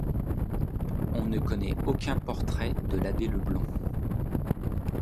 On ne connaît aucun portrait de l'abbé Leblond.